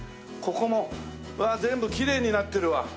ここもうわあ全部きれいになってるわ。